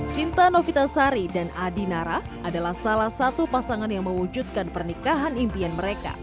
sinta novita sari dan adi nara adalah salah satu pasangan yang mewujudkan pernikahan impian mereka